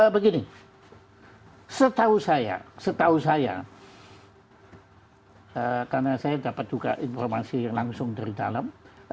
begini setahu saya karena saya dapat juga informasi yang langsung dari dalam